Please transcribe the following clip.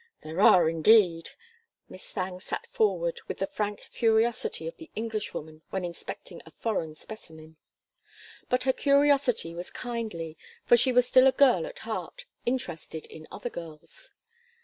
"There are, indeed!" Miss Thangue sat forward with the frank curiosity of the Englishwoman when inspecting a foreign specimen. But her curiosity was kindly, for she was still a girl at heart, interested in other girls.